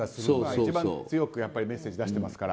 一番強くメッセージを出してますから。